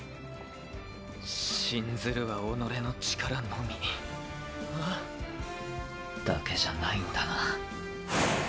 信ずるは己の力のみ！あ？だけじゃないんだな。